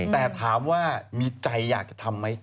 แต่ถามว่ามีใจอยากจะทำไหม